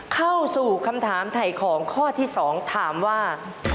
เข้าสู่คำถามถ่ายของข้อที่๒ถามว่า